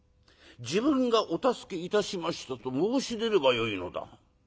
『自分がお助けいたしました』と申し出ればよいのだ」。